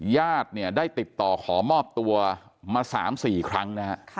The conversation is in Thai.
ญาติได้ติดต่อขอมอบตัวมา๓๔ครั้ง